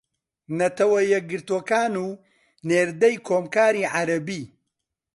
نەتەوە یەکگرتووەکان و نێردەی کۆمکاری عەرەبی